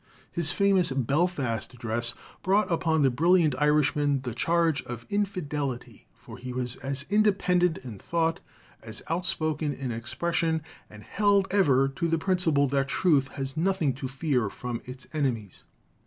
His famous "Belfast Address" brought upon the brilliant Irishman the charge of "infidelity," for he was as independent in thought as outspoken in expression and held ever to the principle that Truth has nothing to fear from its enemies.